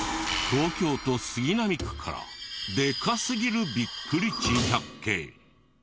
東京都杉並区からでかすぎるビックリ珍百景。